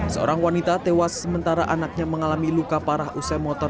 seorang wanita tewas sementara anaknya mengalami luka parah usai motor